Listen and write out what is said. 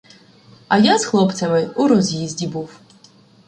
А я з хлопцями у роз'їзді був.